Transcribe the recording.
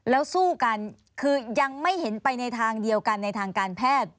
แล้วสู้กันคือยังไม่เห็นไปในทางเดียวกันในทางการแพทย์